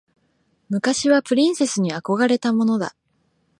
昔はプリンセスに憧れたものだ。